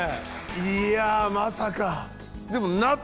いやまさか。